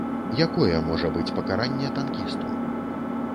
Якое можа быць пакаранне танкісту?